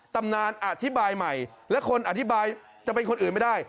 ตำนานอธิบายใหม่และคนอธิบายจะเป็นคนอื่นไม่ได้